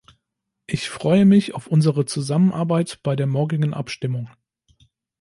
Ich freue mich auf unsere Zusammenarbeit bei der morgigen Abstimmung.